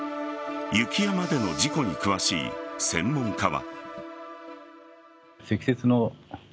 雪山での事故に詳しい専門家は。